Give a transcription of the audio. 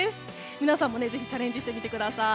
皆さんもぜひチャレンジしてみてください。